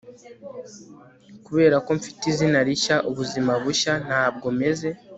kuberako mfite izina rishya, ubuzima bushya, ntabwo meze